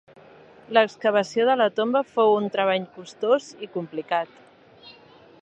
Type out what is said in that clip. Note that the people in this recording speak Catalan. L'excavació de la tomba fou un treball costós i complicat.